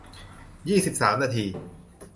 ยี่สิบสาม นาที